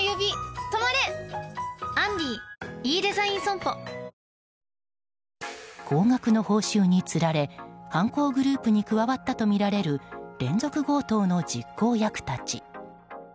本麒麟高額の報酬につられ犯行グループに加わったとみられる連続強盗の実行役たち。